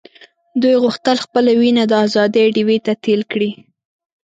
دوی غوښتل خپله وینه د آزادۍ ډیوې ته تېل کړي.